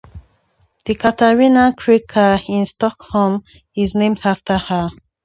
The Katarina kyrka in Stockholm is named after her.